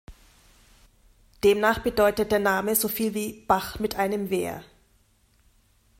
Demnach bedeutet der Name so viel wie „Bach mit einem Wehr“.